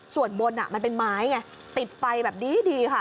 ส่วนบนมันเป็นไม้ติดไฟแบบนี้ดี